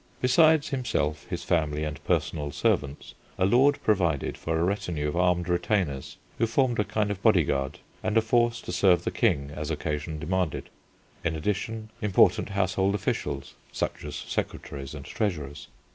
Besides himself, his family, and personal servants, a lord provided for a retinue of armed retainers, who formed a kind of body guard and a force to serve the king as occasion demanded; in addition, important household officials, such as secretaries and treasurers.